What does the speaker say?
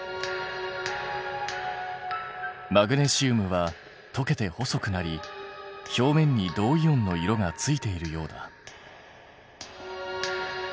マグネシウムは溶けて細くなり表面に銅イオンの色がついているようだ。